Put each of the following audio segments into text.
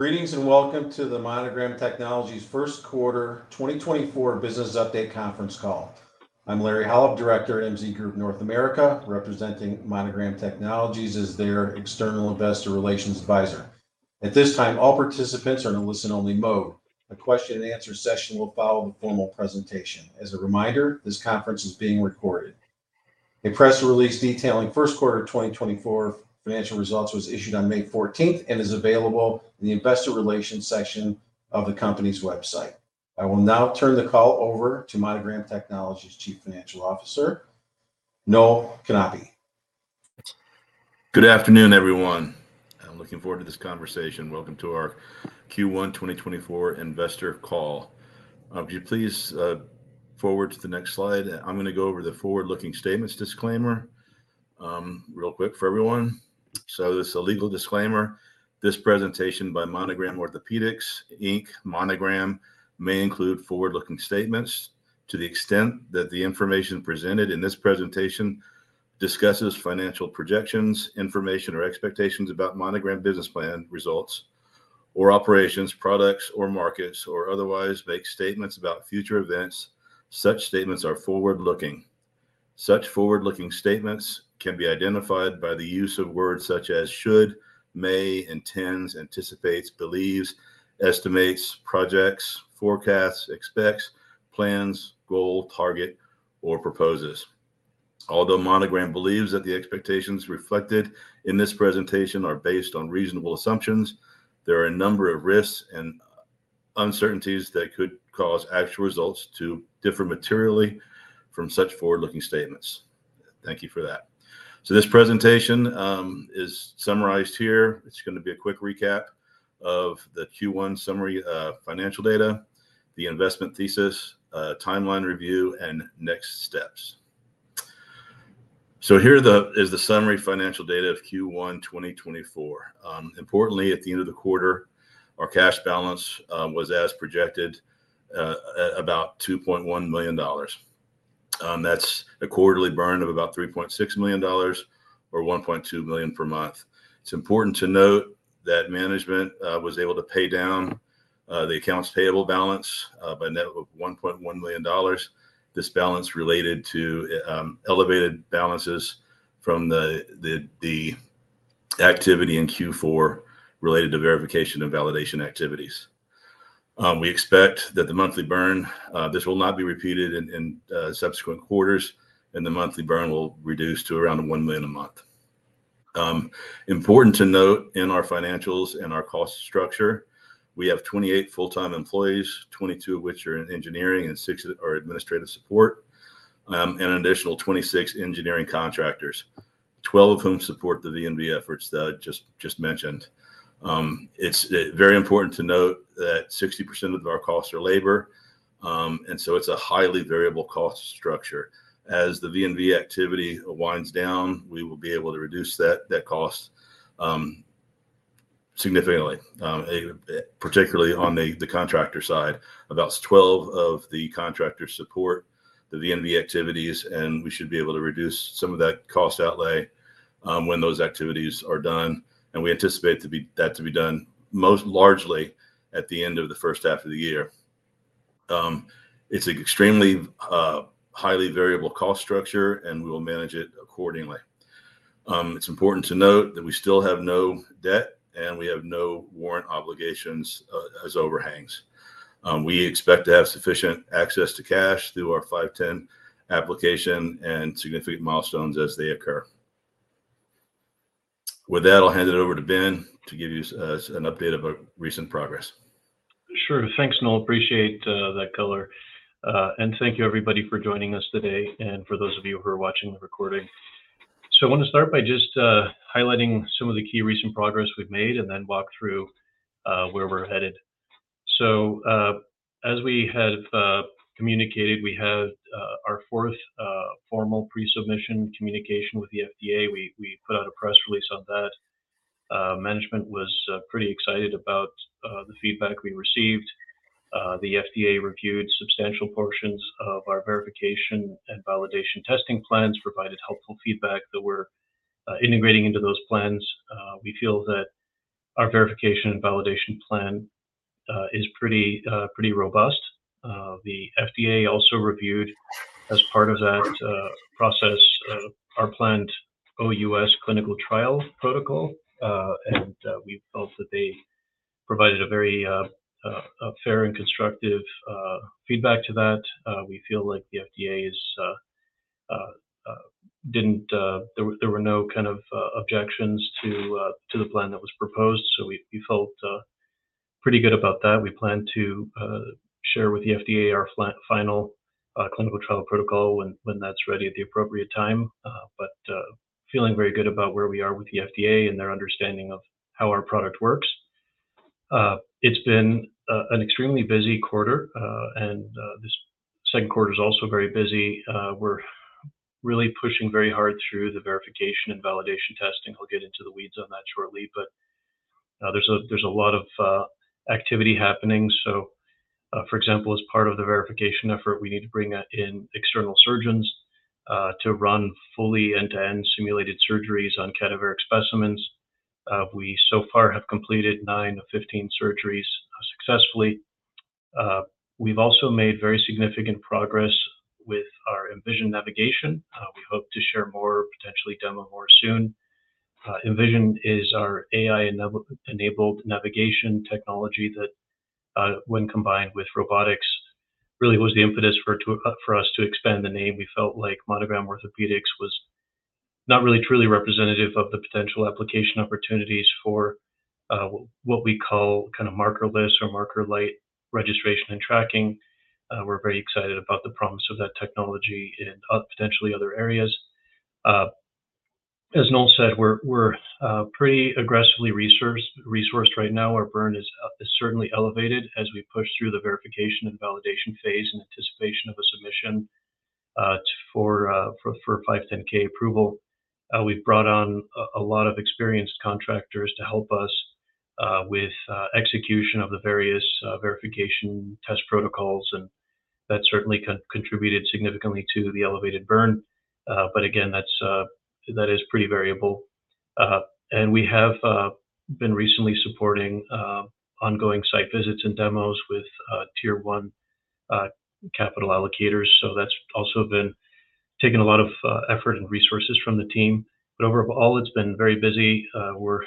Greetings, and welcome to the Monogram Technologies First Quarter 2024 Business Update Conference Call. I'm Larry Hall, Director at MZ Group North America, representing Monogram Technologies as their external investor relations advisor. At this time, all participants are in a listen-only mode. A question and answer session will follow the formal presentation. As a reminder, this conference is being recorded. A press release detailing First Quarter 2024 financial results was issued on May 14th and is available in the investor relations section of the company's website. I will now turn the call over to Monogram Technologies' Chief Financial Officer, Noel Knape. Good afternoon, everyone. I'm looking forward to this conversation. Welcome to our Q1 2024 investor call. Would you please forward to the next slide? I'm gonna go over the forward-looking statements disclaimer, real quick for everyone. So this is a legal disclaimer. This presentation by Monogram Orthopedics, Inc., Monogram, may include forward-looking statements to the extent that the information presented in this presentation discusses financial projections, information, or expectations about Monogram business plan results, or operations, products, or markets, or otherwise makes statements about future events. Such statements are forward-looking. Such forward-looking statements can be identified by the use of words such as should, may, intends, anticipates, believes, estimates, projects, forecasts, expects, plans, goal, target, or proposes. Although Monogram believes that the expectations reflected in this presentation are based on reasonable assumptions, there are a number of risks and uncertainties that could cause actual results to differ materially from such forward-looking statements. Thank you for that. So this presentation is summarized here. It's gonna be a quick recap of the Q1 summary, financial data, the investment thesis, timeline review, and next steps. So here is the summary financial data of Q1 2024. Importantly, at the end of the quarter, our cash balance was as projected, about $2.1 million. That's a quarterly burn of about $3.6 million or $1.2 million per month. It's important to note that management was able to pay down the accounts payable balance by net of $1.1 million. This balance related to elevated balances from the activity in Q4 related to verification and validation activities. We expect that the monthly burn this will not be repeated in subsequent quarters, and the monthly burn will reduce to around $1 million a month. Important to note in our financials and our cost structure, we have 28 full-time employees, 22 of which are in engineering and six are administrative support, and an additional 26 engineering contractors, 12 of whom support the V&V efforts that I just mentioned. It's very important to note that 60% of our costs are labor, and so it's a highly variable cost structure. As the V&V activity winds down, we will be able to reduce that cost significantly, particularly on the contractor side. About 12 of the contractors support the V&V activities, and we should be able to reduce some of that cost outlay when those activities are done, and we anticipate that to be done most largely at the end of the first half of the year. It's an extremely highly variable cost structure, and we will manage it accordingly. It's important to note that we still have no debt, and we have no warrant obligations as overhangs. We expect to have sufficient access to cash through our 510(k) application and significant milestones as they occur. With that, I'll hand it over to Ben to give you an update about recent progress. Sure. Thanks, Noel. Appreciate that color, and thank you, everybody, for joining us today, and for those of you who are watching the recording. So I wanna start by just highlighting some of the key recent progress we've made and then walk through where we're headed. So, as we have communicated, we had our fourth formal pre-submission communication with the FDA. We put out a press release on that. Management was pretty excited about the feedback we received. The FDA reviewed substantial portions of our verification and validation testing plans, provided helpful feedback that we're integrating into those plans. We feel that our verification and validation plan is pretty pretty robust. The FDA also reviewed, as part of that process, our planned OUS clinical trial protocol, and we felt that they provided a very fair and constructive feedback to that. We feel like the FDA didn't. There were no kind of objections to the plan that was proposed, so we felt pretty good about that. We plan to share with the FDA our final clinical trial protocol when that's ready, at the appropriate time, but feeling very good about where we are with the FDA and their understanding of how our product works. It's been an extremely busy quarter, and this second quarter is also very busy. We're really pushing very hard through the verification and validation testing. We'll get into the weeds on that shortly, but there's a lot of activity happening. For example, as part of the verification effort, we need to bring in external surgeons to run fully end-to-end simulated surgeries on cadaveric specimens. We so far have completed nine of 15 surgeries successfully. We've also made very significant progress with our mVision navigation. We hope to share more, potentially demo more soon. mVision is our AI-enabled navigation technology that, when combined with robotics, really was the impetus for us to expand the name. We felt like Monogram Orthopedics was not really truly representative of the potential application opportunities for what we call kind of markerless or marker lite registration and tracking. We're very excited about the promise of that technology in other, potentially other areas. As Noel said, we're pretty aggressively resourced right now. Our burn is certainly elevated as we push through the verification and validation phase in anticipation of a submission for 510(k) approval. We've brought on a lot of experienced contractors to help us with execution of the various verification test protocols, and that certainly contributed significantly to the elevated burn. But again, that's pretty variable. And we have been recently supporting ongoing site visits and demos with tier one capital allocators. So that's also been taking a lot of effort and resources from the team. But overall, it's been very busy. We're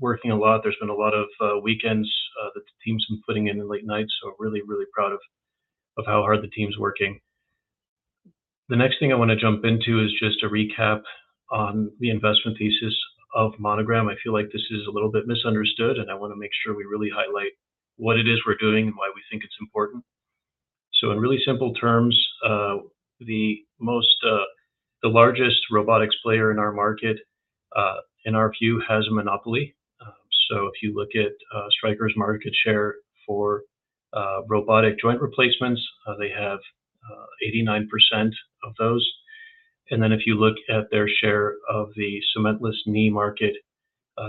working a lot. There's been a lot of weekends that the team's been putting in and late nights, so really, really proud of, of how hard the team's working. The next thing I want to jump into is just a recap on the investment thesis of Monogram. I feel like this is a little bit misunderstood, and I want to make sure we really highlight what it is we're doing and why we think it's important. So in really simple terms, the largest robotics player in our market, in our view, has a monopoly. So if you look at Stryker's market share for robotic joint replacements, they have 89% of those. And then if you look at their share of the cementless knee market,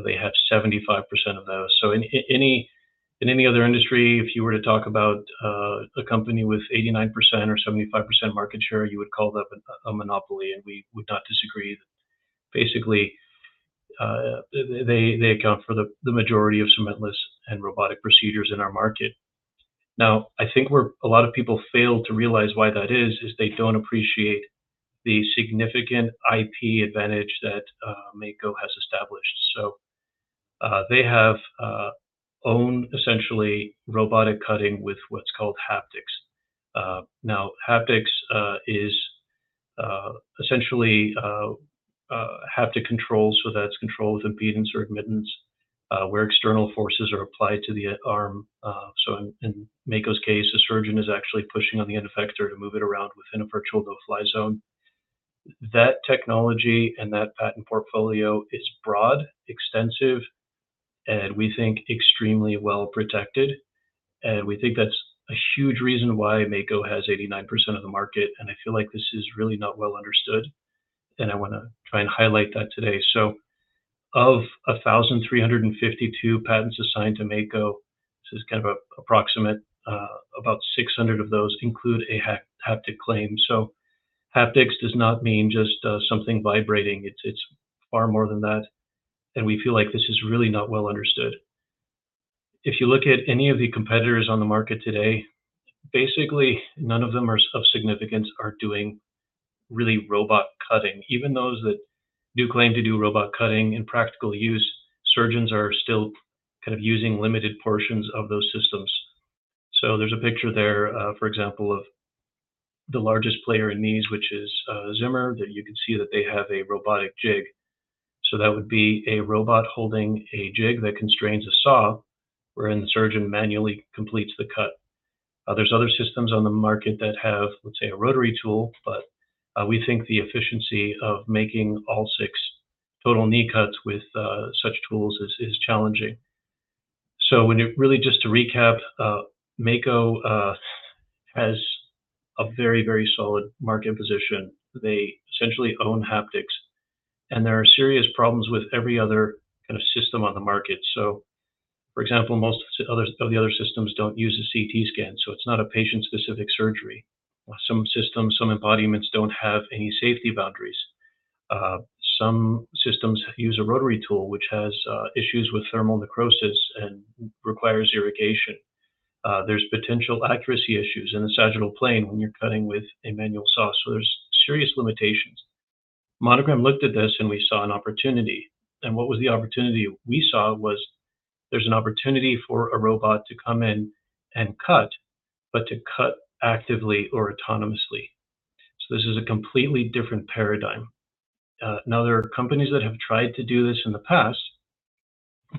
they have 75% of those. In any other industry, if you were to talk about a company with 89% or 75% market share, you would call that a monopoly, and we would not disagree. Basically, they account for the majority of cementless and robotic procedures in our market. Now, I think where a lot of people fail to realize why that is, is they don't appreciate the significant IP advantage that Mako has established. So, they own essentially robotic cutting with what's called haptics. Now, haptics is essentially haptic control, so that's control with impedance or admittance, where external forces are applied to the arm. So in Mako's case, a surgeon is actually pushing on the end effector to move it around within a virtual no-fly zone. That technology and that patent portfolio is broad, extensive, and we think extremely well protected, and we think that's a huge reason why Mako has 89% of the market, and I feel like this is really not well understood, and I want to try and highlight that today. So of 1,352 patents assigned to Mako, this is kind of approximate, about 600 of those include a haptic claim. So haptics does not mean just something vibrating, it's far more than that, and we feel like this is really not well understood. If you look at any of the competitors on the market today, basically, none of them are of significance, are doing really robot cutting. Even those that do claim to do robot cutting in practical use, surgeons are still kind of using limited portions of those systems. So there's a picture there, for example, of the largest player in knees, which is, Zimmer, that you can see that they have a robotic jig. So that would be a robot holding a jig that constrains a saw, wherein the surgeon manually completes the cut. There's other systems on the market that have, let's say, a rotary tool, but, we think the efficiency of making all six total knee cuts with, such tools is, challenging. So when you really just to recap, Mako has a very, very solid market position. They essentially own haptics, and there are serious problems with every other kind of system on the market. So, for example, most of the, other, of the other systems don't use a CT scan, so it's not a patient-specific surgery. Some systems, some embodiments don't have any safety boundaries. Some systems use a rotary tool, which has issues with thermal necrosis and requires irrigation. There's potential accuracy issues in the sagittal plane when you're cutting with a manual saw. So there's serious limitations. Monogram looked at this, and we saw an opportunity, and what was the opportunity we saw was there's an opportunity for a robot to come in and cut, but to cut actively or autonomously. So this is a completely different paradigm. Now, there are companies that have tried to do this in the past,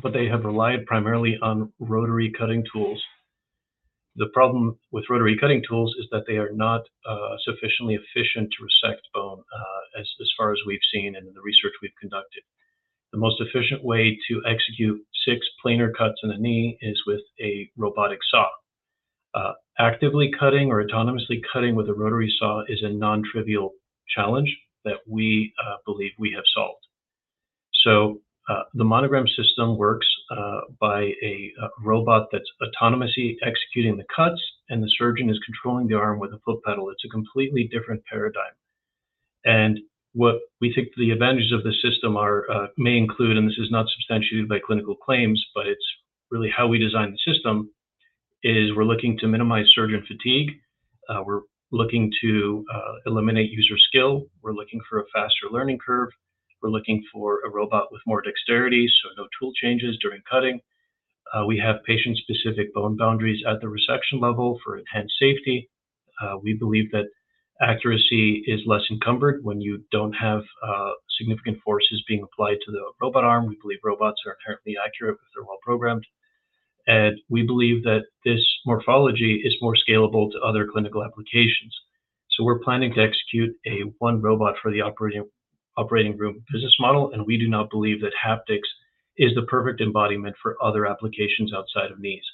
but they have relied primarily on rotary cutting tools. The problem with rotary cutting tools is that they are not sufficiently efficient to resect bone, as far as we've seen and in the research we've conducted. The most efficient way to execute six planar cuts in a knee is with a robotic saw. Actively cutting or autonomously cutting with a rotary saw is a non-trivial challenge that we believe we have solved. The Monogram system works by a robot that's autonomously executing the cuts, and the surgeon is controlling the arm with a foot pedal. It's a completely different paradigm. What we think the advantages of the system are may include, and this is not substantiated by clinical claims, but it's really how we design the system, is we're looking to minimize surgeon fatigue. We're looking to eliminate user skill. We're looking for a faster learning curve. We're looking for a robot with more dexterity, so no tool changes during cutting. We have patient-specific bone boundaries at the resection level for enhanced safety. We believe that accuracy is less encumbered when you don't have significant forces being applied to the robot arm. We believe robots are inherently accurate if they're well programmed. We believe that this morphology is more scalable to other clinical applications. We're planning to execute a one robot for the operating room business model, and we do not believe that haptics is the perfect embodiment for other applications outside of knees.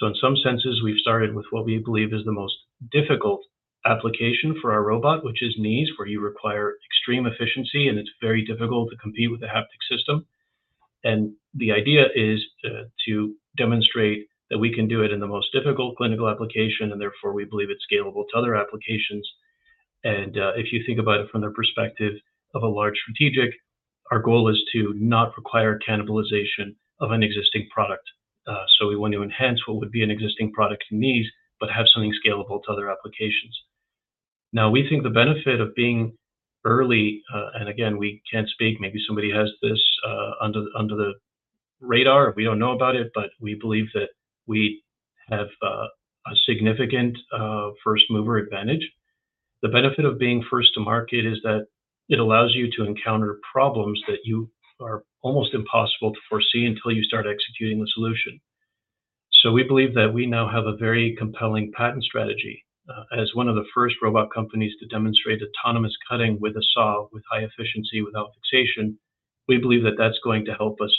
In some senses, we've started with what we believe is the most difficult application for our robot, which is knees, where you require extreme efficiency, and it's very difficult to compete with a haptic system. The idea is to demonstrate that we can do it in the most difficult clinical application, and therefore, we believe it's scalable to other applications. If you think about it from the perspective of a large strategic, our goal is to not require cannibalization of an existing product. So we want to enhance what would be an existing product in knees, but have something scalable to other applications. Now, we think the benefit of being early, and again, we can't speak, maybe somebody has this under the radar, we don't know about it, but we believe that we have a significant first mover advantage. The benefit of being first to market is that it allows you to encounter problems that are almost impossible to foresee until you start executing the solution. So we believe that we now have a very compelling patent strategy. As one of the first robot companies to demonstrate autonomous cutting with a saw, with high efficiency, without fixation, we believe that that's going to help us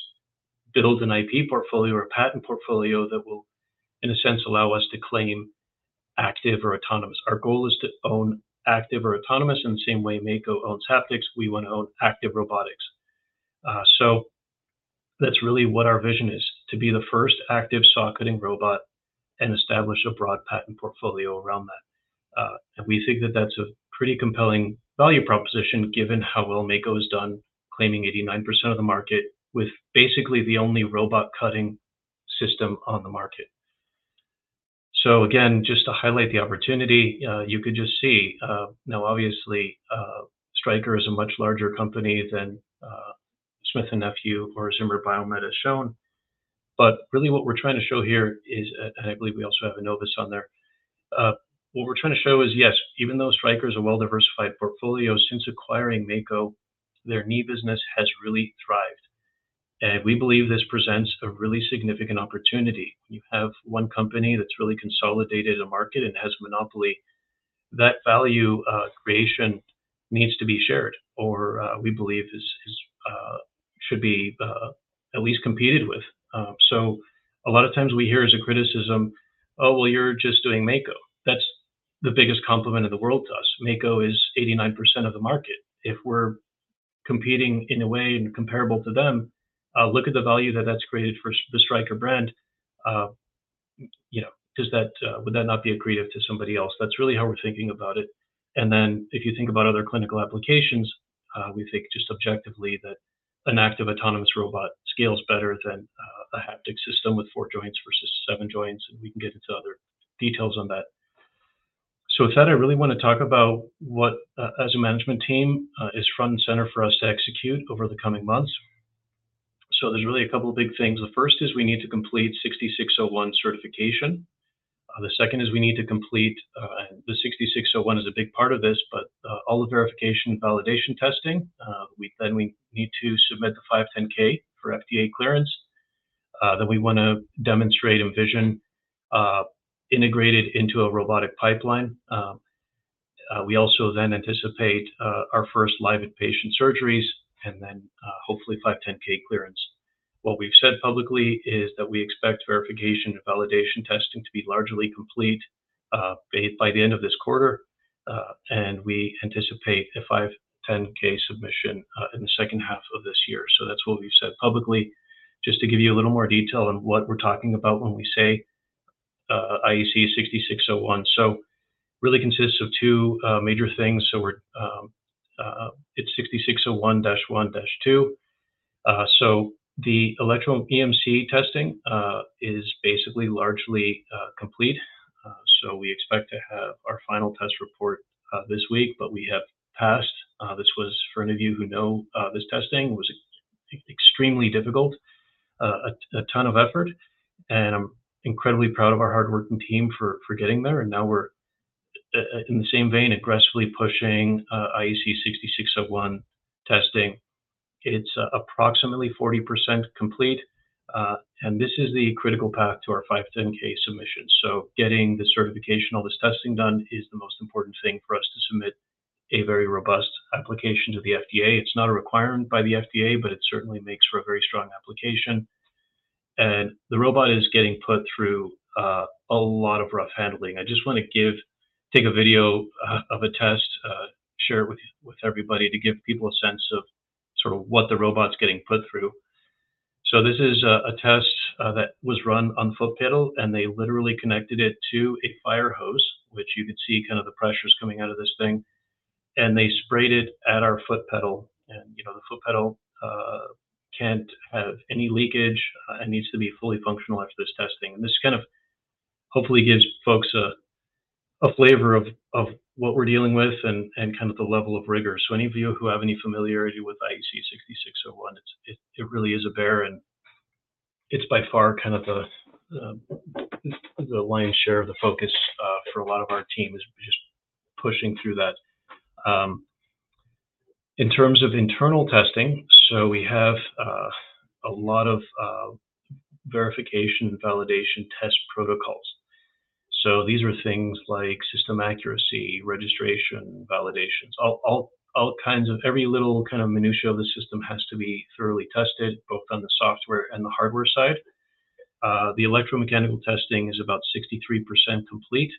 build an IP portfolio or a patent portfolio that will, in a sense, allow us to claim active or autonomous. Our goal is to own active or autonomous. In the same way Mako owns haptics, we want to own active robotics. That's really what our vision is, to be the first active saw cutting robot and establish a broad patent portfolio around that. We think that that's a pretty compelling value proposition, given how well Mako has done, claiming 89% of the market, with basically the only robot cutting system on the market. So again, just to highlight the opportunity, you can just see, now, obviously, Stryker is a much larger company than Smith+Nephew or Zimmer Biomet as shown. But really what we're trying to show here is, and I believe we also have an Enovis on there. What we're trying to show is, yes, even though Stryker is a well-diversified portfolio, since acquiring Mako, their knee business has really thrived, and we believe this presents a really significant opportunity. You have one company that's really consolidated a market and has a monopoly. That value creation needs to be shared, or, we believe is, is, should be, at least competed with. So a lot of times we hear as a criticism, "Oh, well, you're just doing Mako." That's the biggest compliment in the world to us. Mako is 89% of the market. If we're competing in a way and comparable to them, look at the value that that's created for the Stryker brand. You know, does that, would that not be accretive to somebody else? That's really how we're thinking about it. And then, if you think about other clinical applications, we think just objectively, that an active autonomous robot scales better than, a haptic system with 4 joints versus 7 joints, and we can get into other details on that. So with that, I really want to talk about what, as a management team, is front and center for us to execute over the coming months. So there's really a couple of big things. The first is we need to complete 60601 certification. The second is we need to complete the 60601 is a big part of this, but all the verification and validation testing. Then we need to submit the 510(k) for FDA clearance. Then we wanna demonstrate mVision integrated into a robotic pipeline. We also then anticipate our first live inpatient surgeries and then hopefully 510(k) clearance. What we've said publicly is that we expect verification and validation testing to be largely complete by the end of this quarter, and we anticipate a 510(k) submission in the second half of this year. So that's what we've said publicly. Just to give you a little more detail on what we're talking about when we say IEC 60601. So really consists of two major things. So we're, it's 60601-1-2. So the electro EMC testing is basically largely complete. So we expect to have our final test report this week, but we have passed. This was, for any of you who know, this testing, was extremely difficult, a ton of effort, and I'm incredibly proud of our hardworking team for getting there. And now we're in the same vein, aggressively pushing IEC 60601 testing. It's approximately 40% complete, and this is the critical path to our 510(k) submission. So getting the certification, all this testing done, is the most important thing for us to submit a very robust application to the FDA. It's not a requirement by the FDA, but it certainly makes for a very strong application. and the robot is getting put through a lot of rough handling. I just wanna take a video of a test, share it with everybody to give people a sense of sort of what the robot's getting put through. So this is a test that was run on foot pedal, and they literally connected it to a fire hose, which you can see kind of the pressures coming out of this thing, and they sprayed it at our foot pedal. And, you know, the foot pedal can't have any leakage, it needs to be fully functional after this testing. And this kind of hopefully gives folks a flavor of what we're dealing with and kind of the level of rigor. So any of you who have any familiarity with IEC 60601, it's really is a bear, and it's by far kind of the lion's share of the focus for a lot of our team is just pushing through that. In terms of internal testing, so we have a lot of verification and validation test protocols. So these are things like system accuracy, registration, validations, all kinds of—every little kind of minutiae of the system has to be thoroughly tested, both on the software and the hardware side. The electromechanical testing is about 63% complete,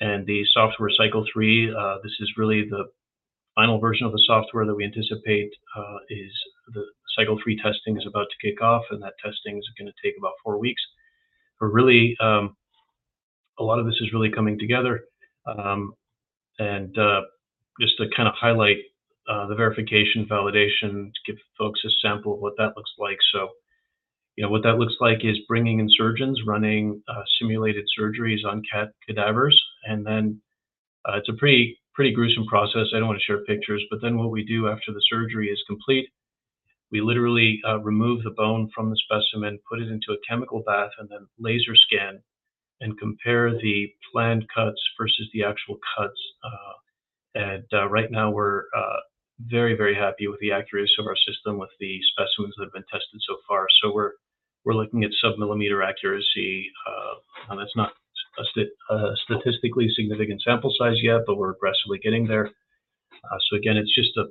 and the software cycle three, this is really the final version of the software that we anticipate is the cycle three testing is about to kick off, and that testing is gonna take about four weeks. But really, a lot of this is really coming together. And, just to kind of highlight, the verification, validation, to give folks a sample of what that looks like. So, you know, what that looks like is bringing in surgeons, running simulated surgeries on cadavers, and then, it's a pretty, pretty gruesome process. I don't want to share pictures, but then what we do after the surgery is complete, we literally remove the bone from the specimen, put it into a chemical bath, and then laser scan and compare the planned cuts versus the actual cuts. And, right now we're very, very happy with the accuracy of our system, with the specimens that have been tested so far. So we're looking at sub-millimeter accuracy. And that's not a statistically significant sample size yet, but we're aggressively getting there. So again, it's just a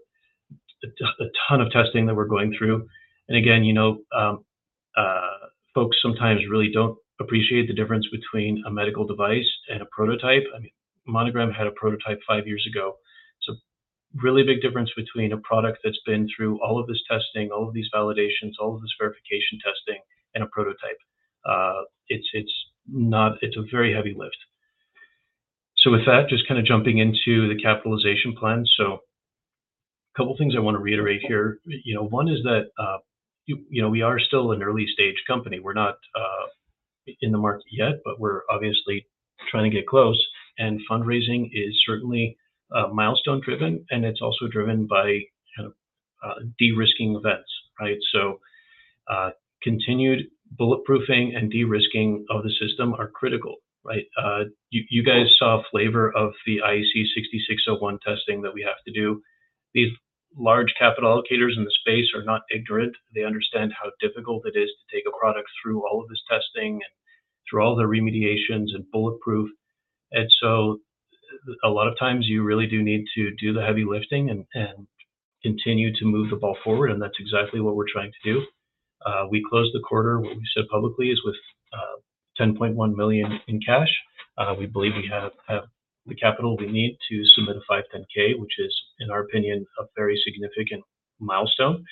ton of testing that we're going through. And again, you know, folks sometimes really don't appreciate the difference between a medical device and a prototype. I mean, Monogram had a prototype five years ago. It's a really big difference between a product that's been through all of this testing, all of these validations, all of this verification testing, and a prototype. It's not. It's a very heavy lift. So with that, just kind of jumping into the capitalization plan. So a couple of things I want to reiterate here. You know, one is that, you know, we are still an early-stage company. We're not in the market yet, but we're obviously trying to get close, and fundraising is certainly milestone-driven, and it's also driven by kind of de-risking events, right? So, continued bulletproofing and de-risking of the system are critical, right? You guys saw a flavor of the IEC 60601 testing that we have to do. These large capital allocators in the space are not ignorant. They understand how difficult it is to take a product through all of this testing and through all the remediations and bulletproof. And so a lot of times you really do need to do the heavy lifting and continue to move the ball forward, and that's exactly what we're trying to do. We closed the quarter, what we said publicly, is with $10.1 million in cash. We believe we have the capital we need to submit a 510(k), which is, in our opinion, a very significant milestone.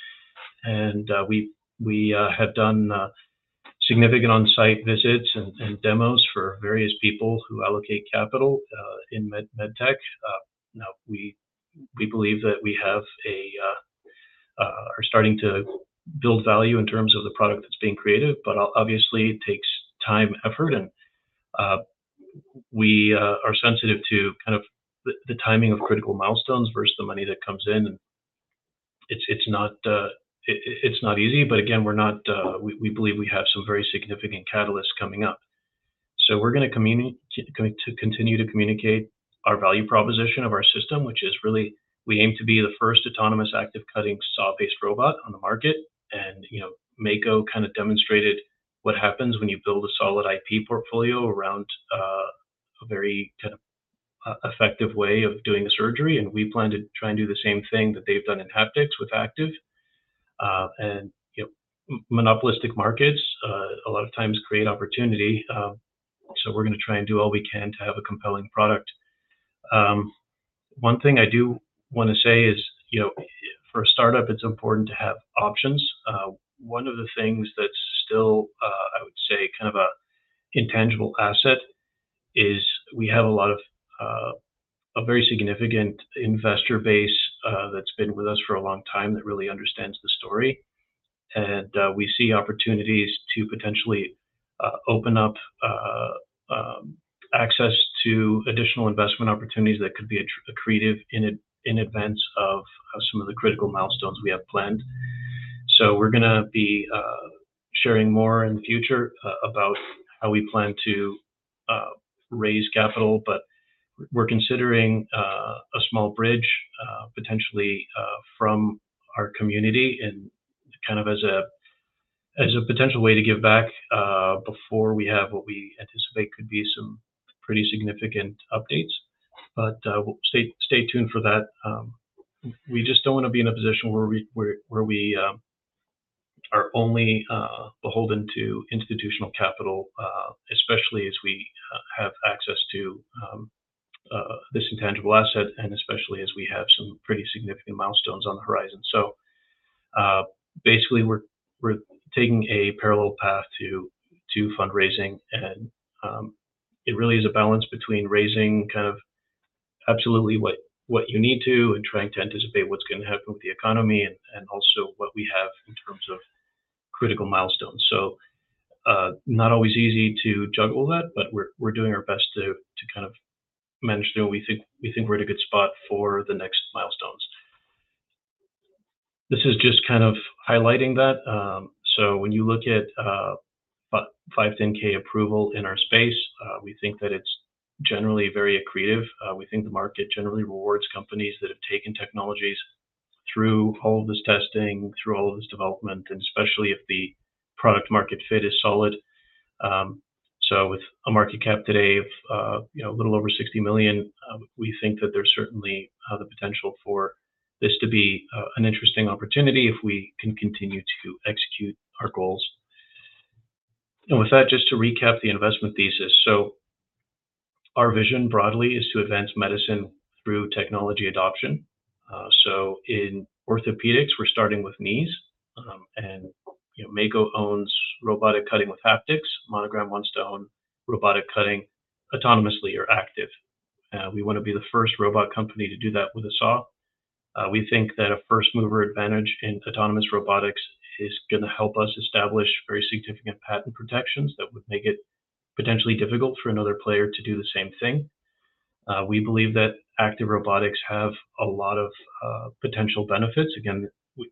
And we have done significant on-site visits and demos for various people who allocate capital in medtech. Now, we believe that we are starting to build value in terms of the product that's being created, but obviously, it takes time, effort, and we are sensitive to kind of the timing of critical milestones versus the money that comes in. And it's not easy, but again, we're not... We believe we have some very significant catalysts coming up. So we're going to continue to communicate our value proposition of our system, which is really, we aim to be the first autonomous, active cutting, saw-based robot on the market. And, you know, Mako kind of demonstrated what happens when you build a solid IP portfolio around a very kind of effective way of doing a surgery, and we plan to try and do the same thing that they've done in haptics with active. And, you know, monopolistic markets a lot of times create opportunity, so we're going to try and do all we can to have a compelling product. One thing I do want to say is, you know, for a startup, it's important to have options. One of the things that's still, I would say, kind of an intangible asset is we have a lot of a very significant investor base that's been with us for a long time, that really understands the story. And we see opportunities to potentially open up access to additional investment opportunities that could be accretive in advance of some of the critical milestones we have planned. So we're gonna be sharing more in the future about how we plan to raise capital, but we're considering a small bridge potentially from our community and kind of as a potential way to give back before we have what we anticipate could be some pretty significant updates. But well, stay tuned for that. We just don't wanna be in a position where we are only beholden to institutional capital, especially as we have access to this intangible asset, and especially as we have some pretty significant milestones on the horizon. So, basically we're taking a parallel path to fundraising, and it really is a balance between raising kind of absolutely what you need to, and trying to anticipate what's gonna happen with the economy and also what we have in terms of critical milestones. So, not always easy to juggle that, but we're doing our best to kind of manage that. We think we're in a good spot for the next milestones. This is just kind of highlighting that. So when you look at 510(k) approval in our space, we think that it's generally very accretive. We think the market generally rewards companies that have taken technologies through all of this testing, through all of this development, and especially if the product market fit is solid. So with a market cap today of, you know, a little over $60 million, we think that there's certainly the potential for this to be an interesting opportunity if we can continue to execute our goals. And with that, just to recap the investment thesis. So our vision broadly is to advance medicine through technology adoption. So in orthopedics, we're starting with knees. And, you know, Mako owns robotic cutting with haptics. Monogram wants to own robotic cutting autonomously or active. We wanna be the first robot company to do that with a saw. We think that a first mover advantage in autonomous robotics is gonna help us establish very significant patent protections that would make it potentially difficult for another player to do the same thing. We believe that active robotics have a lot of potential benefits. Again,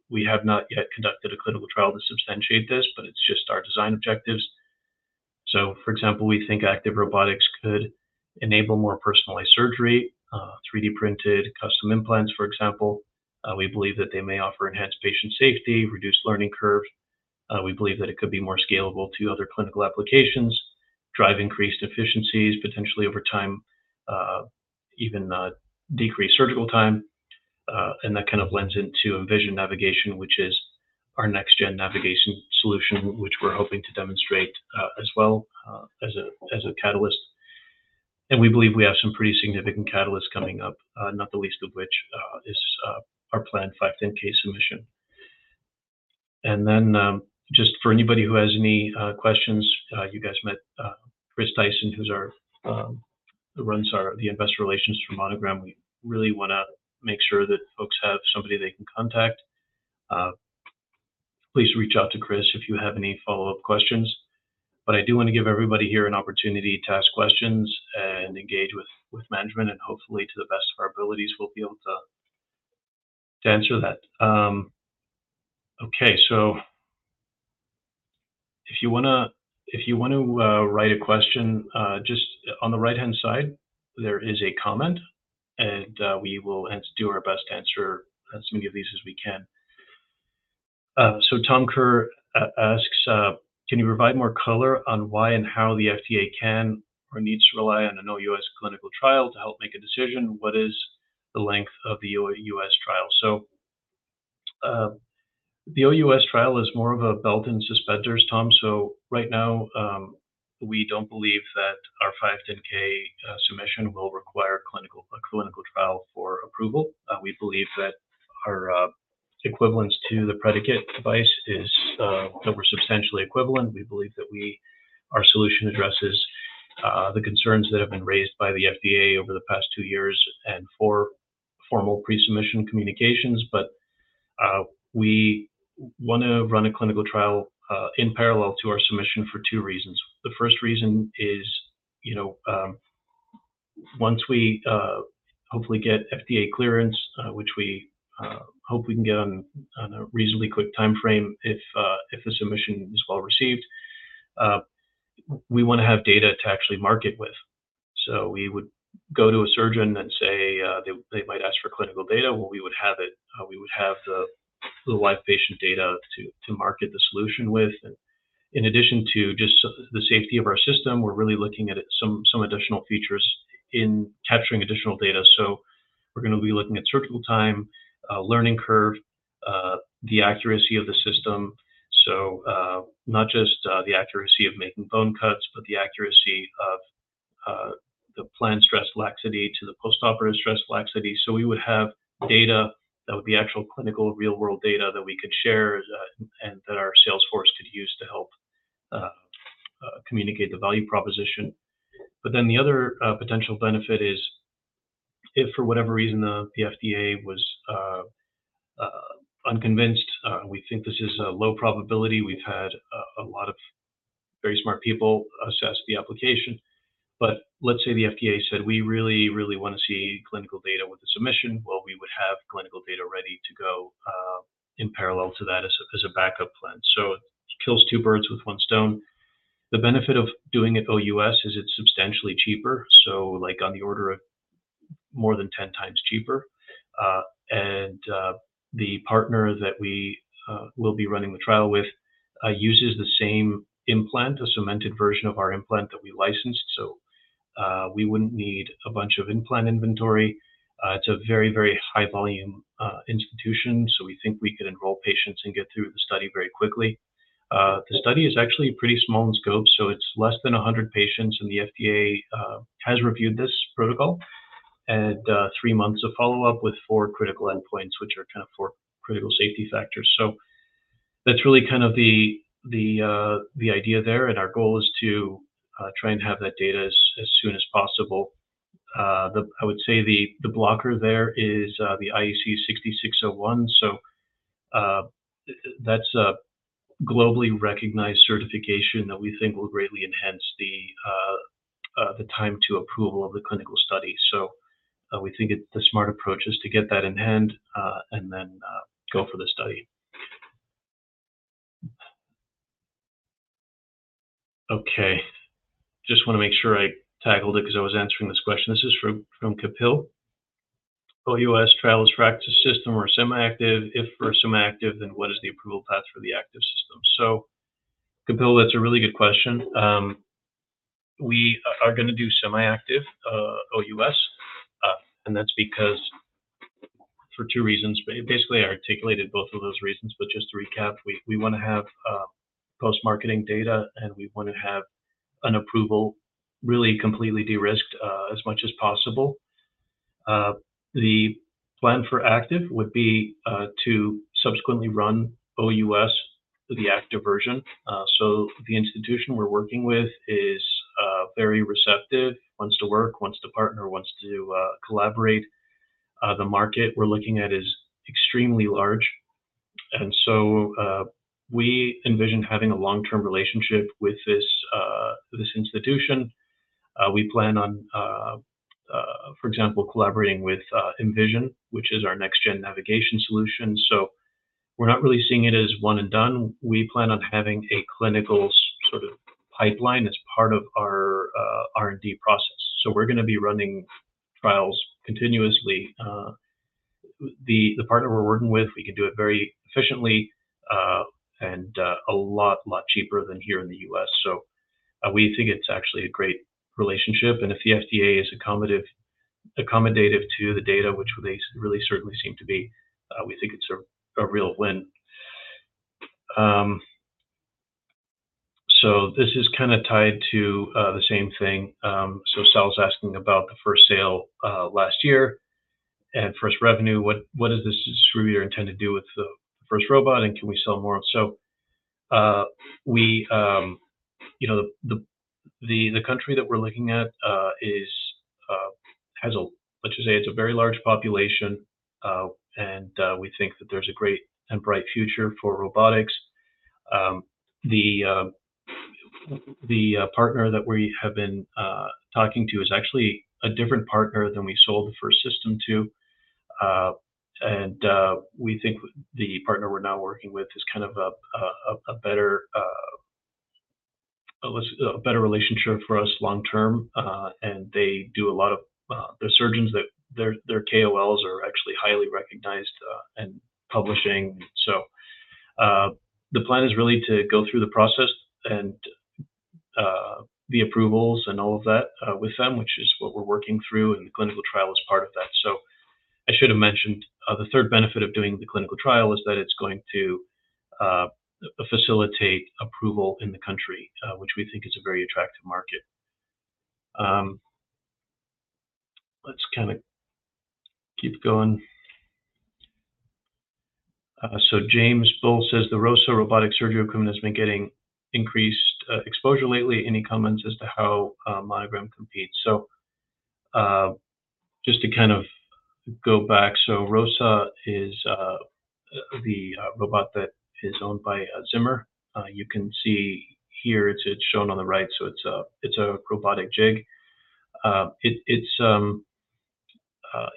we have not yet conducted a clinical trial to substantiate this, but it's just our design objectives. So, for example, we think active robotics could enable more personalized surgery, 3D printed custom implants, for example. We believe that they may offer enhanced patient safety, reduced learning curves. We believe that it could be more scalable to other clinical applications, drive increased efficiencies, potentially over time, even decrease surgical time. And that kind of lends into mVision Navigation, which is our next-gen navigation solution, which we're hoping to demonstrate as well as a catalyst. And we believe we have some pretty significant catalysts coming up, not the least of which is our planned 510(k) submission. Then, just for anybody who has any questions, you guys met Chris Tyson, who runs our investor relations for Monogram. We really wanna make sure that folks have somebody they can contact. Please reach out to Chris if you have any follow-up questions, but I do wanna give everybody here an opportunity to ask questions and engage with management, and hopefully, to the best of our abilities, we'll be able to answer that. Okay, so if you wanna-- if you want to write a question, just on the right-hand side, there is a comment, and we will do our best to answer as many of these as we can. So Tom Kerr asks, "Can you provide more color on why and how the FDA can or needs to rely on an OUS clinical trial to help make a decision? What is the length of the OUS trial?" So the OUS trial is more of a belt and suspenders, Tom. So right now, we don't believe that our 510(k) submission will require a clinical trial for approval. We believe that our equivalence to the predicate device is that we're substantially equivalent. We believe that our solution addresses the concerns that have been raised by the FDA over the past two years and four formal pre-submission communications. But we wanna run a clinical trial in parallel to our submission for two reasons. The first reason is, you know, once we hopefully get FDA clearance, which we hope we can get on a reasonably quick timeframe, if the submission is well received, we wanna have data to actually market with. So we would go to a surgeon and say, they might ask for clinical data, well, we would have it, we would have the live patient data to market the solution with. And in addition to just the safety of our system, we're really looking at it, some additional features in capturing additional data. So we're gonna be looking at surgical time, learning curve, the accuracy of the system. So, not just the accuracy of making bone cuts, but the accuracy of the planned stress laxity to the postoperative stress laxity. So we would have data that would be actual clinical, real-world data that we could share, and that our sales force could use to help communicate the value proposition. But then the other potential benefit is, if for whatever reason, the FDA was unconvinced, we think this is a low probability. We've had a lot of very smart people assess the application. But let's say the FDA said, "We really, really wanna see clinical data with the submission," well, we would have clinical data ready to go, in parallel to that as a backup plan. So it kills two birds with one stone. The benefit of doing it OUS is it's substantially cheaper, so like on the order of more than 10 times cheaper. And the partner that we will be running the trial with uses the same implant, a cemented version of our implant that we licensed, so we wouldn't need a bunch of implant inventory. It's a very, very high volume institution, so we think we could enroll patients and get through the study very quickly. The study is actually pretty small in scope, so it's less than 100 patients, and the FDA has reviewed this protocol. And 3 months of follow-up with 4 critical endpoints, which are kind of 4 critical safety factors. So that's really kind of the idea there, and our goal is to try and have that data as soon as possible. I would say the blocker there is the IEC 60601, so that's a globally recognized certification that we think will greatly enhance the time to approval of the clinical study. So we think it's the smart approach is to get that in hand and then go for the study. Okay, just wanna make sure I tackled it because I was answering this question. This is from Kapil. OUS trials practice system or semi-active. If for semi-active, then what is the approval path for the active system? So, Kapil, that's a really good question. We are gonna do semi-active OUS, and that's because for two reasons. But basically, I articulated both of those reasons, but just to recap, we, we wanna have post-marketing data, and we wanna have an approval really completely de-risked as much as possible. The plan for active would be to subsequently run OUS for the active version. So the institution we're working with is very receptive, wants to work, wants to partner, wants to collaborate. The market we're looking at is extremely large, and so we envision having a long-term relationship with this this institution. We plan on for example, collaborating with mVision, which is our next-gen navigation solution. So we're not really seeing it as one and done. We plan on having a clinical sort of pipeline as part of our R&D process. So we're gonna be running trials continuously. The partner we're working with, we can do it very efficiently, and a lot cheaper than here in the U.S. So we think it's actually a great relationship, and if the FDA is accommodative to the data, which they really certainly seem to be, we think it's a real win. So this is kind of tied to the same thing. So Sal is asking about the first sale last year and first revenue. What does this distributor intend to do with the first robot, and can we sell more? So you know, the country that we're looking at has a very large population, and we think that there's a great and bright future for robotics. The partner that we have been talking to is actually a different partner than we sold the first system to. And we think the partner we're now working with is kind of a better relationship for us long term. And they do a lot of the surgeons that their KOLs are actually highly recognized and publishing. So the plan is really to go through the process and the approvals and all of that with them, which is what we're working through, and the clinical trial is part of that. So I should have mentioned the third benefit of doing the clinical trial is that it's going to facilitate approval in the country, which we think is a very attractive market. Let's kind of keep going. So James Bull says the ROSA Robotic Surgical Inc. has been getting increased exposure lately. Any comments as to how Monogram competes? So just to kind of go back, so ROSA is the robot that is owned by Zimmer. You can see here, it's shown on the right, so it's a robotic jig.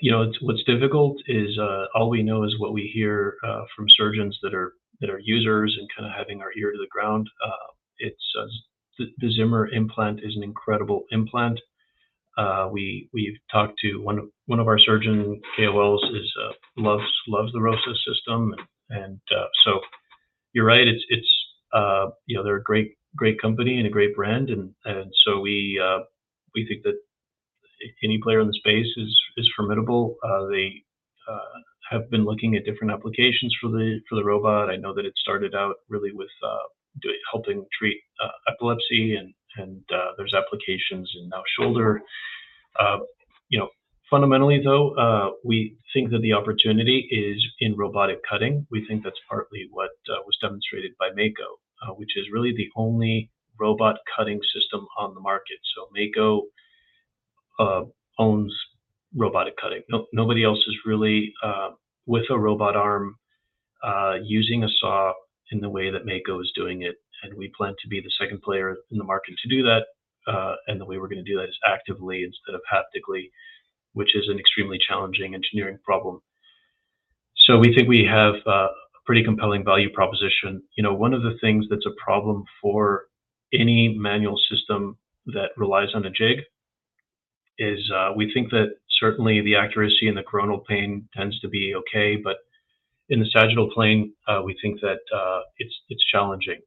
You know, what's difficult is all we know is what we hear from surgeons that are users and kind of having our ear to the ground. The Zimmer implant is an incredible implant. We've talked to one of our surgeon KOLs who loves the ROSA system, and so you're right, it's you know, they're a great company and a great brand. And so we think that any player in the space is formidable. They have been looking at different applications for the robot. I know that it started out really with helping treat epilepsy, and there's applications in shoulder now. You know, fundamentally, though, we think that the opportunity is in robotic cutting. We think that's partly what was demonstrated by MAKO, which is really the only robot cutting system on the market. So MAKO owns robotic cutting. Nobody else is really with a robot arm using a saw in the way that MAKO is doing it, and we plan to be the second player in the market to do that. And the way we're gonna do that is actively instead of haptically, which is an extremely challenging engineering problem. So we think we have a pretty compelling value proposition. You know, one of the things that's a problem for any manual system that relies on a jig is, we think that certainly the accuracy in the coronal plane tends to be okay, but in the sagittal plane, we think that it's challenging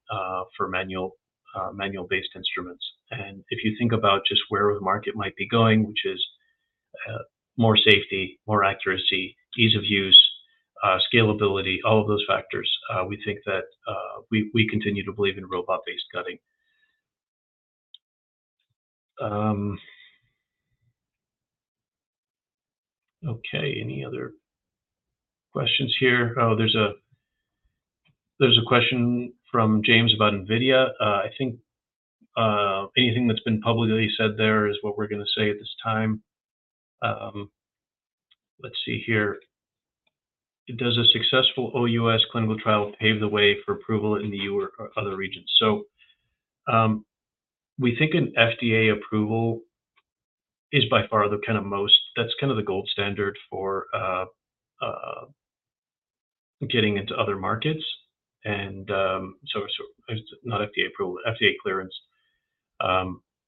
for manual-based instruments. And if you think about just where the market might be going, which is more safety, more accuracy, ease of use, scalability, all of those factors, we think that we continue to believe in robot-based cutting. Okay, any other questions here? Oh, there's a question from James about NVIDIA. I think, anything that's been publicly said there is what we're going to say at this time. Let's see here. Does a successful OUS clinical trial pave the way for approval in the EU or other regions? So, we think an FDA approval is by far the kind of most, that's kind of the gold standard for getting into other markets. And, so not FDA approval, FDA clearance.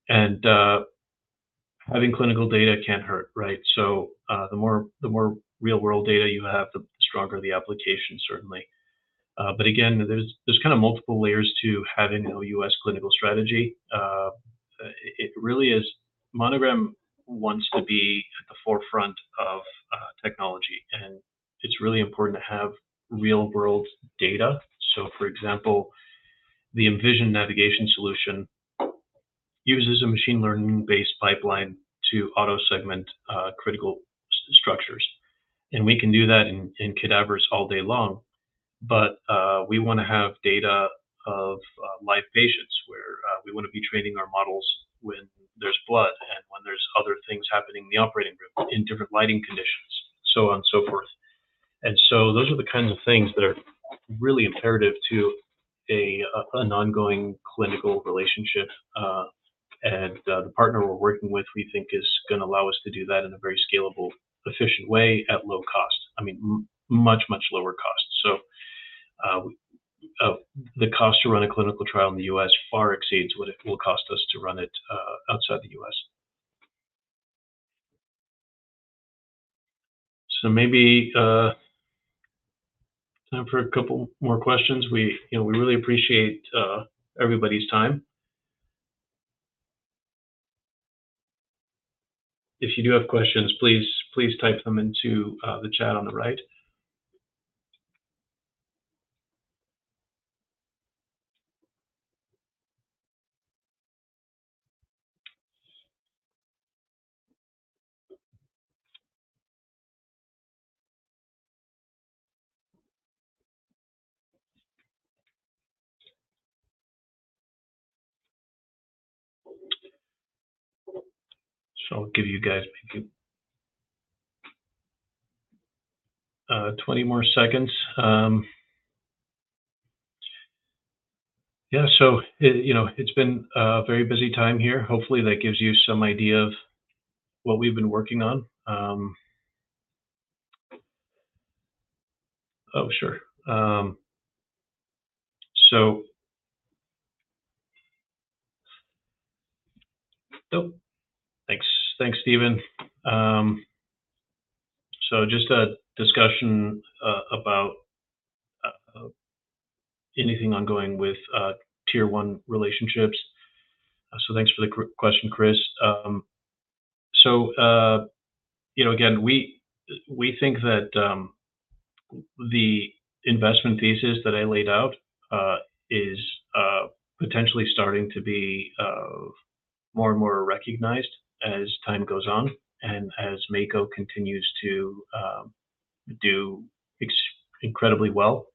And, having clinical data can't hurt, right? So, the more real-world data you have, the stronger the application, certainly. But again, there's kind of multiple layers to having an OUS clinical strategy. It really is... Monogram wants to be at the forefront of technology, and it's really important to have real-world data. So, for example, the mVision navigation solution uses a machine learning-based pipeline to auto-segment critical structures. And we can do that in cadavers all day long, but we want to have data of live patients, where we want to be training our models when there's blood and when there's other things happening in the operating room, in different lighting conditions, so on, so forth. And so those are the kinds of things that are really imperative to an ongoing clinical relationship. And the partner we're working with, we think is going to allow us to do that in a very scalable, efficient way at low cost. I mean, much lower cost. So, the cost to run a clinical trial in the U.S. far exceeds what it will cost us to run it outside the U.S. So maybe time for a couple more questions. We, you know, we really appreciate everybody's time. If you do have questions, please, please type them into the chat on the right. So I'll give you guys maybe 20 more seconds. Yeah, so, it, you know, it's been a very busy time here. Hopefully, that gives you some idea of what we've been working on. Oh, sure. So... Nope. Thanks. Thanks, Steven. So just a discussion about anything ongoing with tier one relationships. So thanks for the question, Chris. You know, again, we, we think that the investment thesis that I laid out is potentially starting to be more and more recognized as time goes on and as Mako continues to do incredibly well.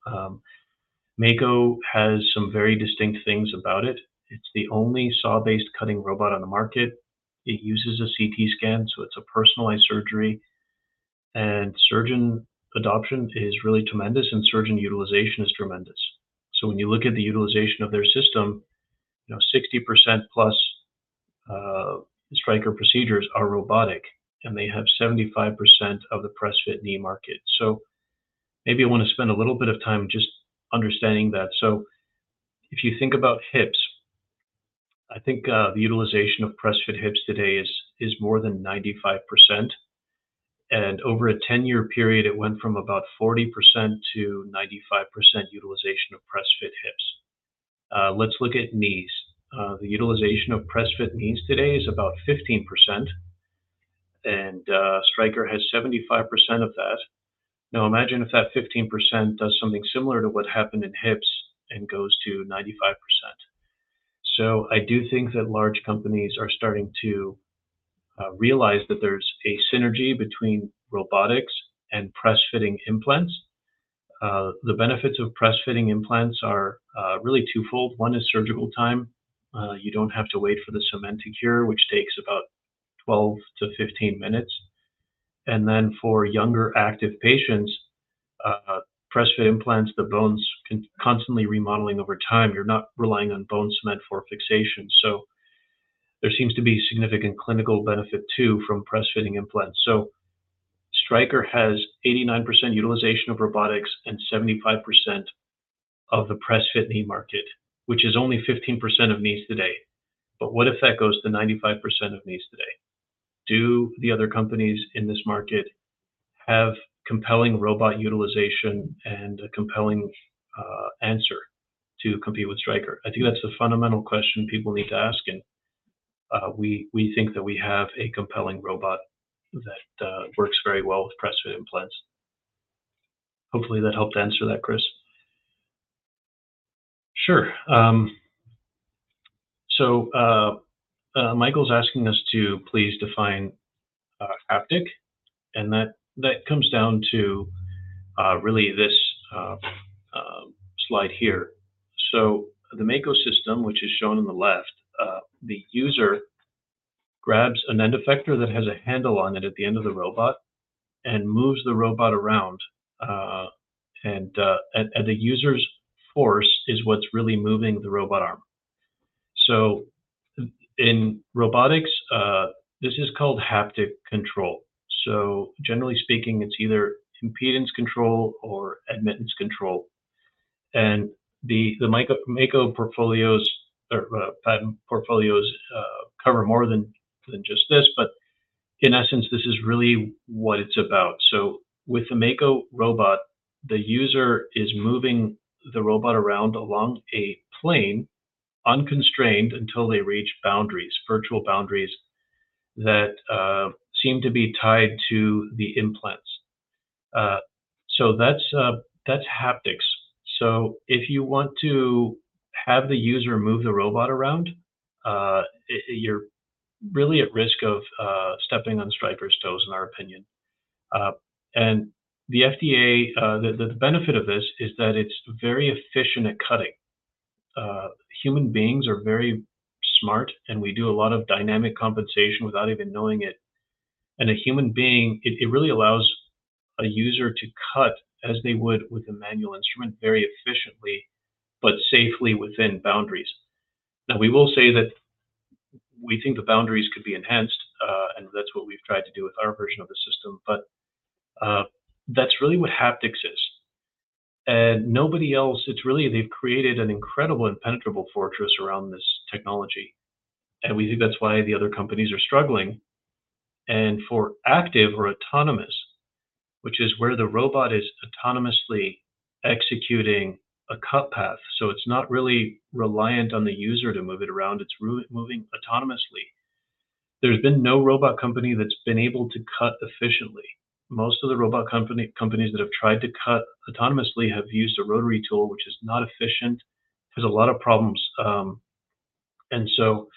Mako has some very distinct things about it. It's the only saw-based cutting robot on the market. It uses a CT scan, so it's a personalized surgery, and surgeon adoption is really tremendous, and surgeon utilization is tremendous. So when you look at the utilization of their system, you know, 60% plus, Stryker procedures are robotic, and they have 75% of the press-fit knee market. So maybe I want to spend a little bit of time just understanding that. So if you think about hips, I think, the utilization of press-fit hips today is more than 95%, and over a ten-year period, it went from about 40% to 95% utilization of press-fit hips. Let's look at knees. The utilization of press-fit knees today is about 15%, and Stryker has 75% of that. Now, imagine if that 15% does something similar to what happened in hips and goes to 95%. So I do think that large companies are starting to realize that there's a synergy between robotics and press-fit implants. The benefits of press-fit implants are really twofold. One is surgical time. You don't have to wait for the cement to cure, which takes about 12-15 minutes. And then for younger active patients, press-fit implants, the bones constantly remodeling over time. You're not relying on bone cement for fixation. So there seems to be significant clinical benefit too from press-fit implants. So Stryker has 89% utilization of robotics and 75% of the press-fit knee market, which is only 15% of knees today. But what if that goes to 95% of knees today? Do the other companies in this market have compelling robot utilization and a compelling answer to compete with Stryker? I think that's the fundamental question people need to ask, and we think that we have a compelling robot that works very well with press-fit implants. Hopefully, that helped answer that, Chris. Sure. So Michael's asking us to please define haptic, and that comes down to really this slide here. So the Mako system, which is shown on the left, the user grabs an end effector that has a handle on it at the end of the robot and moves the robot around, and the user's force is what's really moving the robot arm. So in robotics, this is called haptic control. So generally speaking, it's either impedance control or admittance control. And the Mako portfolios or patent portfolios cover more than just this, but in essence, this is really what it's about. So with the Mako robot, the user is moving the robot around along a plane, unconstrained until they reach boundaries, virtual boundaries that seem to be tied to the implants. So that's haptics. So if you want to have the user move the robot around, you're really at risk of stepping on Stryker's toes, in our opinion. And the FDA, the benefit of this is that it's very efficient at cutting. Human beings are very smart, and we do a lot of dynamic compensation without even knowing it. And a human being, it really allows a user to cut as they would with a manual instrument, very efficiently, but safely within boundaries. Now, we will say that we think the boundaries could be enhanced, and that's what we've tried to do with our version of the system, but, that's really what haptics is. And nobody else... It's really they've created an incredible impenetrable fortress around this technology, and we think that's why the other companies are struggling. And for active or autonomous, which is where the robot is autonomously executing a cut path, so it's not really reliant on the user to move it around, it's removing autonomously, there's been no robot company that's been able to cut efficiently. Most of the robot companies that have tried to cut autonomously have used a rotary tool, which is not efficient, has a lot of problems. And so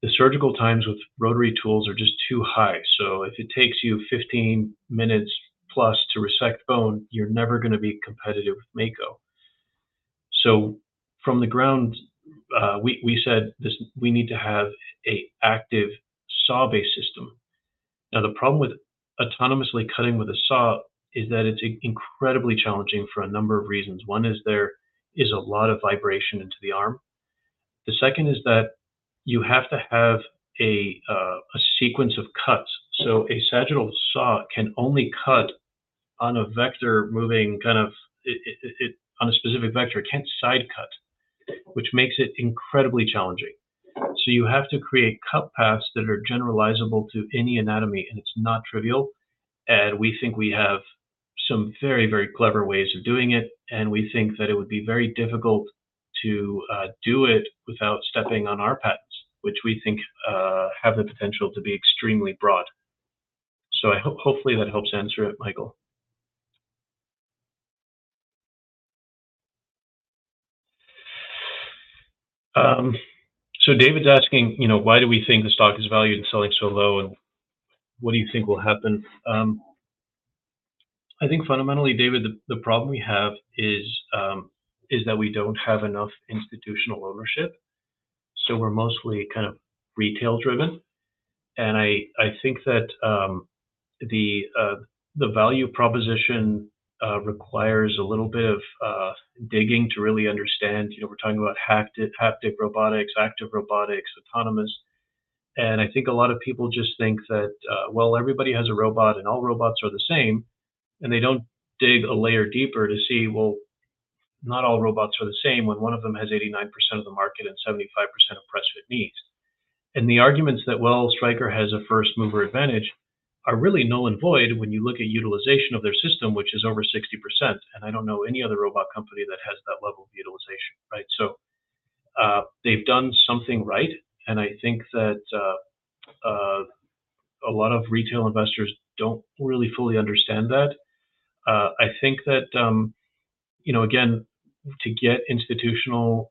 the surgical times with rotary tools are just too high. So if it takes you 15 minutes plus to resect bone, you're never going to be competitive with Mako. So from the ground, we said this, we need to have a active saw-based system. Now, the problem with autonomously cutting with a saw is that it's incredibly challenging for a number of reasons. One is there is a lot of vibration into the arm. The second is that you have to have a sequence of cuts. So a sagittal saw can only cut on a vector moving kind of on a specific vector, it can't side cut, which makes it incredibly challenging. So you have to create cut paths that are generalizable to any anatomy, and it's not trivial, and we think we have some very, very clever ways of doing it, and we think that it would be very difficult to do it without stepping on our patents, which we think have the potential to be extremely broad. So hopefully that helps answer it, Michael. So David's asking, you know, "Why do we think the stock is valued and selling so low, and what do you think will happen?" I think fundamentally, David, the problem we have is that we don't have enough institutional ownership, so we're mostly kind of retail-driven. And I think that the value proposition requires a little bit of digging to really understand. You know, we're talking about haptic, haptic robotics, active robotics, autonomous, and I think a lot of people just think that, well, everybody has a robot, and all robots are the same, and they don't dig a layer deeper to see, well, not all robots are the same when one of them has 89% of the market and 75% of press-fit knees. And the arguments that, well, Stryker has a first-mover advantage are really null and void when you look at utilization of their system, which is over 60%, and I don't know any other robot company that has that level of utilization, right? So, they've done something right, and I think that, a lot of retail investors don't really fully understand that. I think that, you know, again, to get institutional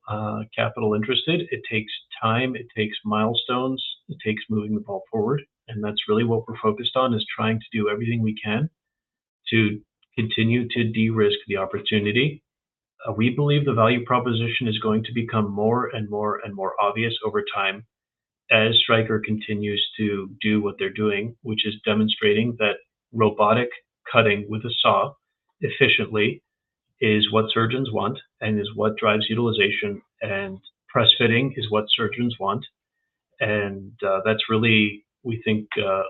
capital interested, it takes time, it takes milestones, it takes moving the ball forward, and that's really what we're focused on, is trying to do everything we can to continue to de-risk the opportunity. We believe the value proposition is going to become more and more and more obvious over time as Stryker continues to do what they're doing, which is demonstrating that robotic cutting with a saw efficiently is what surgeons want and is what drives utilization, and press-fitting is what surgeons want. And that's really, we think,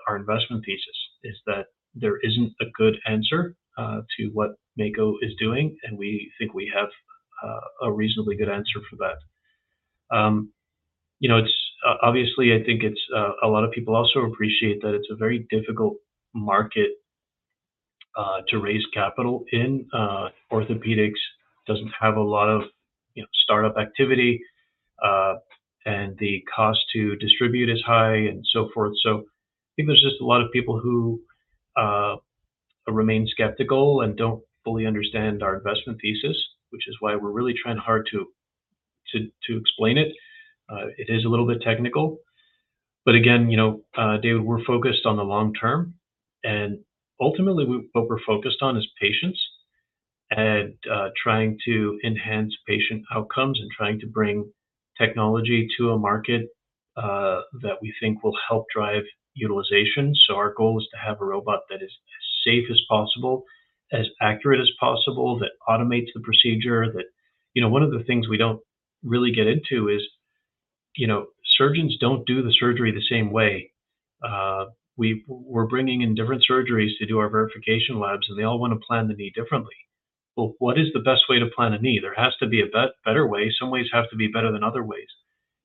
our investment thesis, is that there isn't a good answer to what Mako is doing, and we think we have a reasonably good answer for that. You know, it's obviously, I think it's... A lot of people also appreciate that it's a very difficult market to raise capital in. Orthopedics doesn't have a lot of, you know, startup activity, and the cost to distribute is high, and so forth. So I think there's just a lot of people who remain skeptical and don't fully understand our investment thesis, which is why we're really trying hard to explain it. It is a little bit technical, but again, you know, David, we're focused on the long term, and ultimately, what we're focused on is patients and trying to enhance patient outcomes, and trying to bring technology to a market that we think will help drive utilization. So our goal is to have a robot that is as safe as possible, as accurate as possible, that automates the procedure, that... You know, one of the things we don't really get into is, you know, surgeons don't do the surgery the same way. We're bringing in different surgeons to do our verification labs, and they all want to plan the knee differently. Well, what is the best way to plan a knee? There has to be a better way. Some ways have to be better than other ways,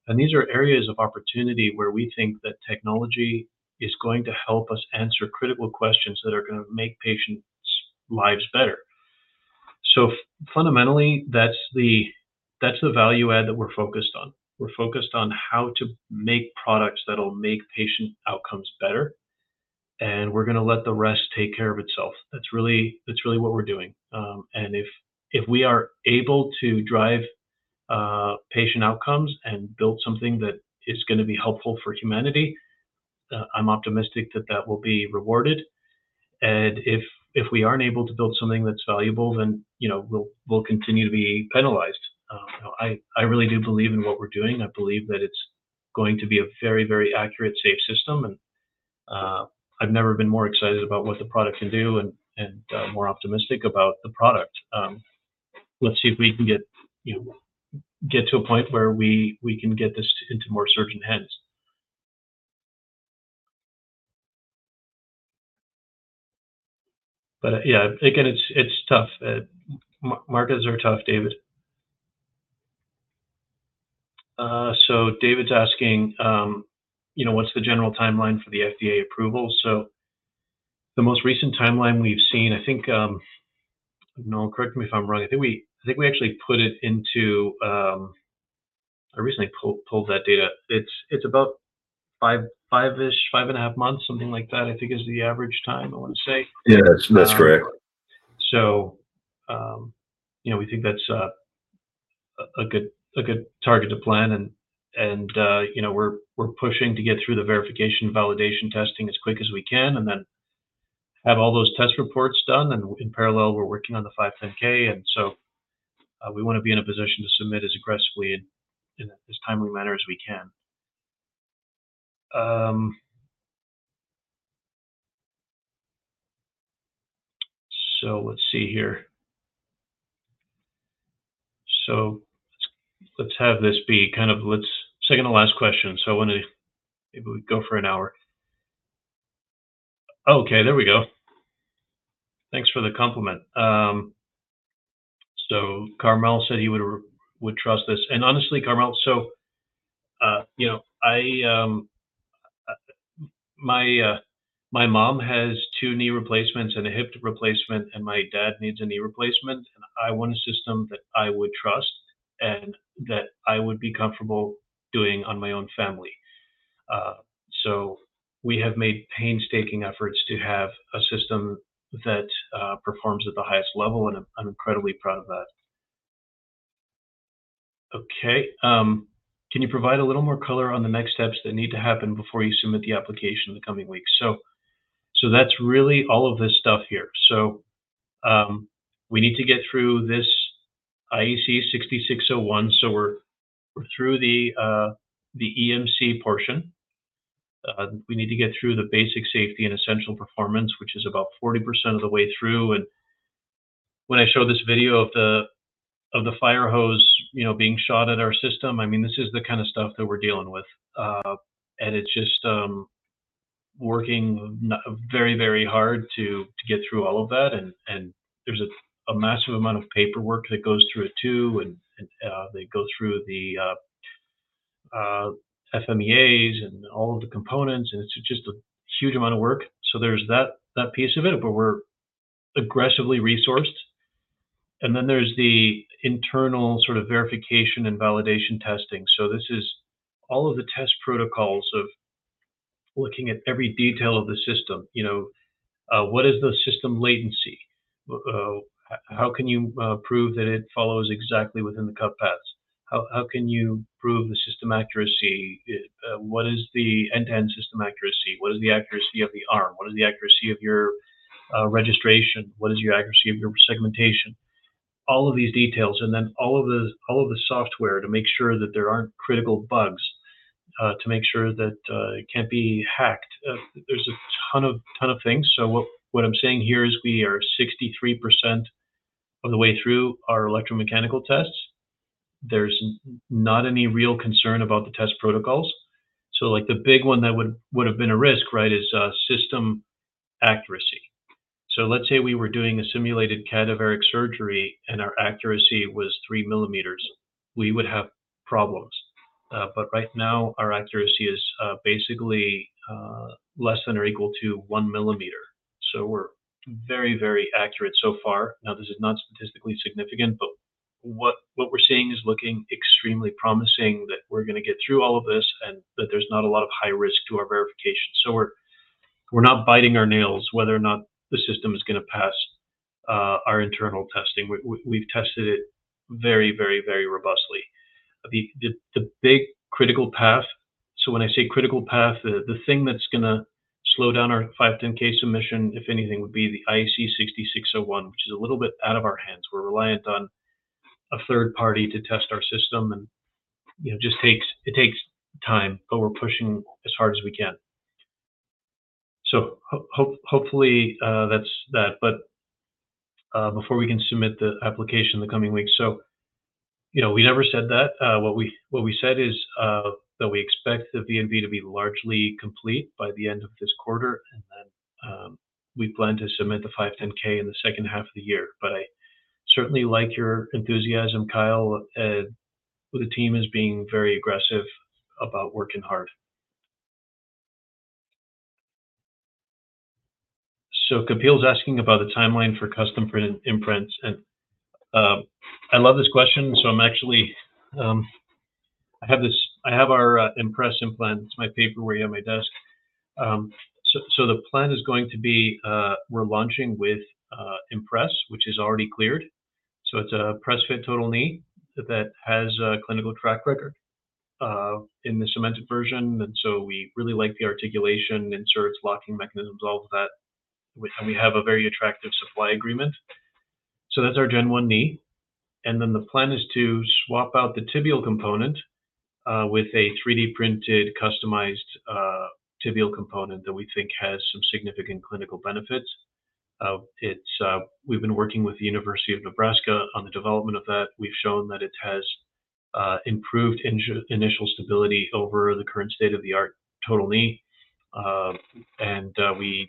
and these are areas of opportunity where we think that technology is going to help us answer critical questions that are gonna make patients' lives better. So fundamentally, that's the, that's the value add that we're focused on. We're focused on how to make products that'll make patient outcomes better, and we're gonna let the rest take care of itself. That's really, that's really what we're doing. And if we are able to drive patient outcomes and build something that is gonna be helpful for humanity, I'm optimistic that that will be rewarded. And if we aren't able to build something that's valuable, then, you know, we'll continue to be penalized. I really do believe in what we're doing. I believe that it's going to be a very, very accurate, safe system. And I've never been more excited about what the product can do and more optimistic about the product. Let's see if we can get, you know, get to a point where we can get this into more surgeon hands. But yeah, again, it's tough. Markets are tough, David. So David's asking, you know, "What's the general timeline for the FDA approval?" So the most recent timeline we've seen, I think... Noel, correct me if I'm wrong. I think we actually put it into, I recently pulled that data. It's about 5, 5-ish, 5.5 months, something like that, I think is the average time, I want to say. Yes, that's correct. So, you know, we think that's a good target to plan and, you know, we're pushing to get through the verification and validation testing as quick as we can, and then have all those test reports done. And in parallel, we're working on the 510(k), and so, we want to be in a position to submit as aggressively and in as timely a manner as we can. So let's see here. So let's have this be kind of... let's second to last question. So I want to maybe we go for an hour. Okay, there we go. Thanks for the compliment. So Carmel said he would trust us. Honestly, Carmel, you know, my mom has two knee replacements and a hip replacement, and my dad needs a knee replacement, and I want a system that I would trust and that I would be comfortable doing on my own family. So we have made painstaking efforts to have a system that performs at the highest level, and I'm incredibly proud of that. Okay, "Can you provide a little more color on the next steps that need to happen before you submit the application in the coming weeks?" So, that's really all of this stuff here. So, we need to get through this IEC 60601, so we're through the EMC portion. We need to get through the basic safety and essential performance, which is about 40% of the way through. When I show this video of the fire hose, you know, being shot at our system, I mean, this is the kind of stuff that we're dealing with. And it's just working very, very hard to get through all of that. And there's a massive amount of paperwork that goes through it, too, and they go through the FMEAs and all of the components, and it's just a huge amount of work. So there's that piece of it, but we're aggressively resourced. And then there's the internal sort of verification and validation testing. So this is all of the test protocols of looking at every detail of the system. You know, what is the system latency? How can you prove that it follows exactly within the cut paths? How can you prove the system accuracy? What is the end-to-end system accuracy? What is the accuracy of the arm? What is the accuracy of your registration? What is your accuracy of your segmentation? All of these details, and then all of the software to make sure that there aren't critical bugs, to make sure that it can't be hacked. There's a ton of things. So what I'm saying here is we are 63% on the way through our electromechanical tests. There's not any real concern about the test protocols. So, like, the big one that would have been a risk, right, is system accuracy. So let's say we were doing a simulated cadaveric surgery and our accuracy was 3 millimeters, we would have problems. But right now, our accuracy is, basically, less than or equal to 1 millimeter. So we're very, very accurate so far. Now, this is not statistically significant, but what we're seeing is looking extremely promising, that we're gonna get through all of this and that there's not a lot of high risk to our verification. So we're not biting our nails whether or not the system is gonna pass, our internal testing. We've tested it very, very, very robustly. The big critical path... So when I say critical path, the thing that's gonna slow down our 510(k) submission, if anything, would be the IEC 60601, which is a little bit out of our hands. We're reliant on a third party to test our system, and, you know, it just takes, it takes time, but we're pushing as hard as we can. Hopefully, that's that. But, before we can submit the application in the coming weeks. So, you know, we never said that. What we, what we said is, that we expect the V&V to be largely complete by the end of this quarter, and then, we plan to submit the 510(k) in the second half of the year. But I certainly like your enthusiasm, Kyle. The team is being very aggressive about working hard. So Kapil's asking about the timeline for custom implants, and, I love this question, so I'm actually. I have this, I have our, mPress implant. It's my paperwork here on my desk. So, so the plan is going to be, we're launching with mPress, which is already cleared. So it's a press-fit total knee that has a clinical track record in the cemented version, and so we really like the articulation, inserts, locking mechanisms, all of that, and we have a very attractive supply agreement. So that's our gen one knee. And then the plan is to swap out the tibial component with a 3D-printed, customized tibial component that we think has some significant clinical benefits. It's... We've been working with the University of Nebraska on the development of that. We've shown that it has improved initial stability over the current state-of-the-art total knee. And we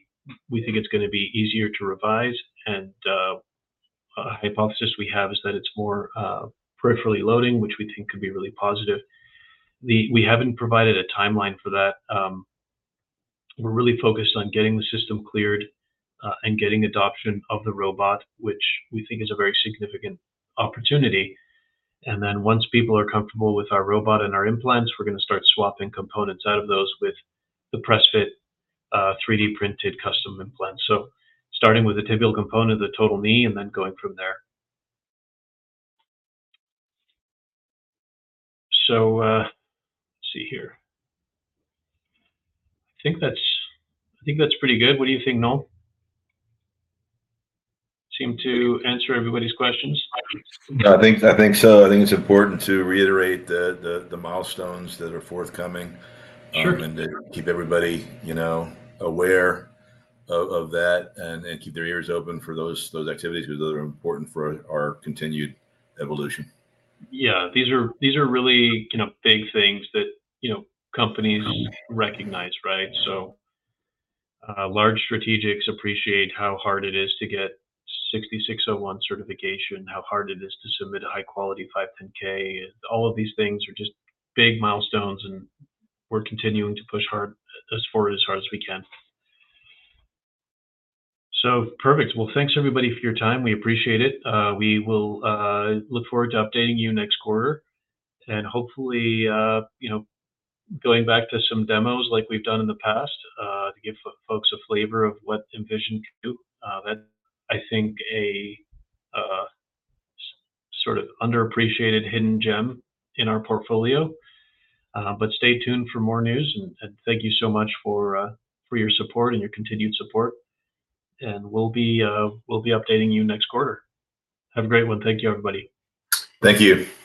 think it's gonna be easier to revise. A hypothesis we have is that it's more peripherally loading, which we think could be really positive. We haven't provided a timeline for that. We're really focused on getting the system cleared and getting adoption of the robot, which we think is a very significant opportunity. And then once people are comfortable with our robot and our implants, we're gonna start swapping components out of those with the press-fit 3D-printed custom implants. So starting with the tibial component of the total knee, and then going from there. So, let's see here. I think that's, I think that's pretty good. What do you think, Noel? Seem to answer everybody's questions? I think, I think so. I think it's important to reiterate the milestones that are forthcoming- Sure... and to keep everybody, you know, aware of that, and keep their ears open for those activities, because those are important for our continued evolution. Yeah. These are, these are really, you know, big things that, you know, companies recognize, right? So, large strategics appreciate how hard it is to get IEC 60601 certification, how hard it is to submit a high-quality 510(k), and all of these things are just big milestones, and we're continuing to push hard, as forward as hard as we can. So perfect. Well, thanks, everybody, for your time. We appreciate it. We will look forward to updating you next quarter and hopefully, you know, going back to some demos like we've done in the past, to give folks a flavor of what mVision can do. That, I think, a sort of underappreciated hidden gem in our portfolio. But stay tuned for more news, and thank you so much for your support and your continued support. We'll be updating you next quarter. Have a great one. Thank you, everybody. Thank you.